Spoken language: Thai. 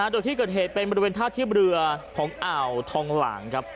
โดยที่เกิดเหตุเป็นบริเวณท่าเทียบเรือของอ่าวทองหลางครับ